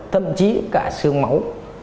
thậm chí cả sương máu